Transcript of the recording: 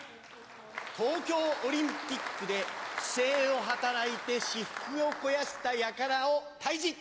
東京オリンピックで、不正を働いて私服を肥やしたやからを退治。